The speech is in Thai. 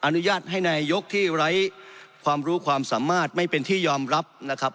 อนุญาตให้นายกที่ไร้ความรู้ความสามารถไม่เป็นที่ยอมรับนะครับ